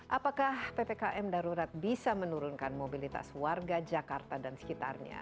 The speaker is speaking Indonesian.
apakah ppkm darurat bisa menurunkan mobilitas warga jakarta dan sekitarnya